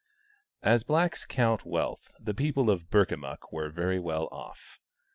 As blacks count wealth, the people of Burkamukk were very well off.